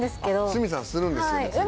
鷲見さんするんですよね釣り。